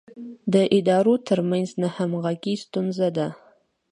د ادارو ترمنځ نه همغږي ستونزه ده.